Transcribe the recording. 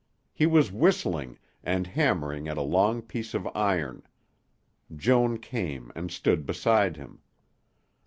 He was whistling, and hammering at a long piece of iron. Joan came and stood beside him.